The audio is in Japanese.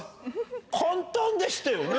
簡単でしたよね。